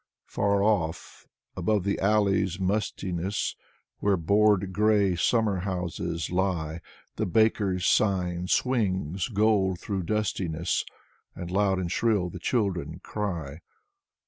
Far off, above the alley's mustiness. Where bored gray summerhouses lie. The baker's sign swings gold through dustiness, And loud and shrill the children cry.